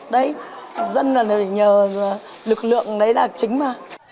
đấy dân là nhờ lực lượng đấy là chính mà